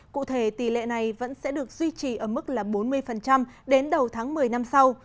cụ thể tỷ lệ này vẫn sẽ được duy trì ở mức là bốn mươi đến đầu tháng một mươi năm sau